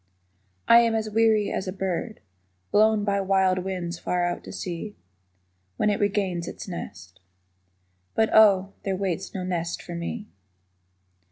I am as weary as a bird Blown by wild winds far out to sea When it regains its nest. But, Oh, There waits no nest for me.